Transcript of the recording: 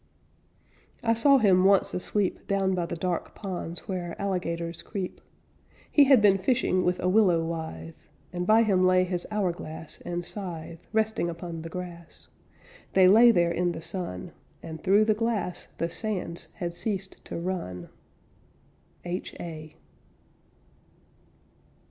I saw him once asleep Down by the dark ponds Where alligators creep. He had been fishing with a willow withe, And by him lay his hourglass and scythe, Resting upon the grass; They lay there in the sun, And through the glass the sands had ceased to run. H.A.